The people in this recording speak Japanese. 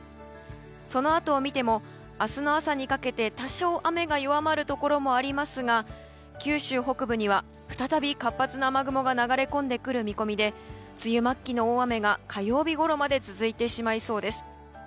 そのあとを見ても明日の朝にかけて多少、雨が弱まるところもありますが九州北部には再び活発な雨雲が流れ込んでくる見込みで梅雨末期の大雨が火曜日ごろまで続いてしまいそうです。